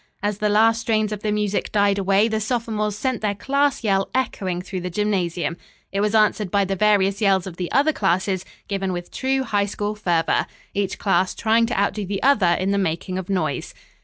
As the last strains of the music died away the sophomores sent their class yell echoing through the gymnasium. It was answered by the various yells of the other classes, given with true High School fervor. Each class trying to outdo the other in the making of noise.